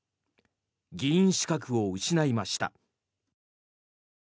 議員資格を失いました。